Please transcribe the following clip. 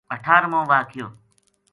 اٹھارمو واقعو